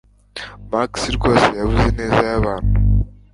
Max rwose yabuze ineza yabantu